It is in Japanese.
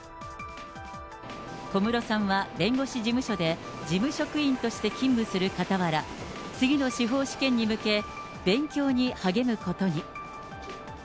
小室さんは弁護士事務所で事務職員として勤務するかたわら、次の司法試験に向け、勉強に励むことに。